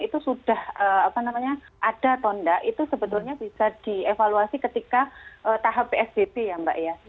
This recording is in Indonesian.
itu sudah apa namanya ada atau enggak itu sebetulnya bisa dievaluasi ketika tahap psdb ya mbak ya